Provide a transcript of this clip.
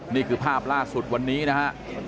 นี่คือภาพล่าสุดวันนี้นะฮะ